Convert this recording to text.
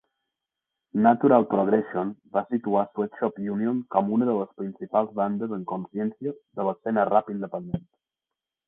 "Natural Progression" va situar Sweatshop Union com una de les principals bandes amb consciència de l'escena rap independent.